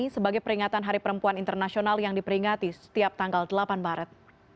sebagai peringatan hari perempuan internasional yang diperingati setiap tanggal delapan maret